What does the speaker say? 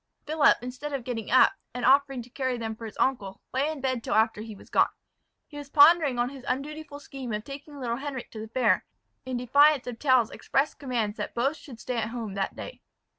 Philip instead of getting up, and offering to carry them for his uncle, lay in bed till after he was gone. He was pondering on his undutiful scheme of taking little Henric to the fair, in defiance of Tell's express commands that both should stay at home that day.